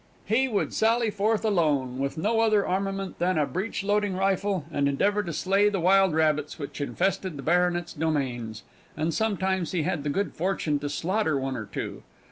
He would sally forth alone, with no other armament than a breechloading rifle, and endeavour to slay the wild rabbits which infested the Baronet's domains, and sometimes he had the good fortune to slaughter one or two.